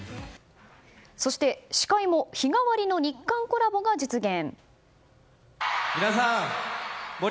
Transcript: そして、司会も日替わりの日韓コラボが実現。